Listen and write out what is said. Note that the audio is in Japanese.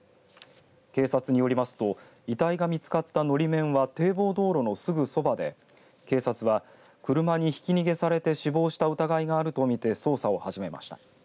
警察によりますと遺体が見つかったのり面は堤防道路のすぐそばで警察は車にひき逃げされて死亡した疑いがあると見て捜査を始めました。